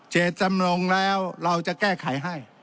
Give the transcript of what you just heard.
เจตจำนงแล้วเราจะแก้ไขให้